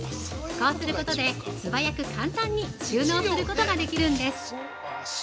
こうすることで素早く簡単に収納することができるんです。